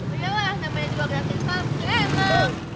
udah lah sampai di wagnatir park